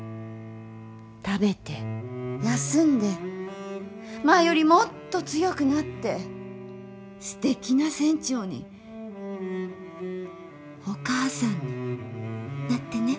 食べて休んで前よりもっと強くなってすてきな船長にお母さんになってね。